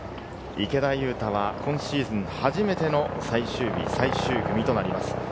池田勇太は今シーズン初めての最終日、最終組となります。